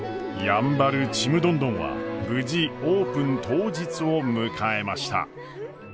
やんばるちむどんどんは無事オープン当日を迎えました。